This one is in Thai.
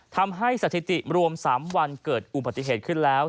ทำให้สถิติรวม๓วันเกิดอุบัติเหตุขึ้นแล้ว